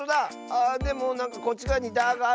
ああでもなんかこっちがわに「だ」があるよ。